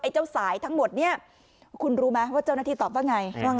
เจ้าสายทั้งหมดเนี่ยคุณรู้ไหมว่าเจ้าหน้าที่ตอบว่าไง